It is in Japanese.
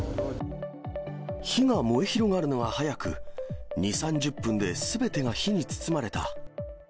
火が燃え広がるのが速く、２、３０分ですべてが火に包まれた。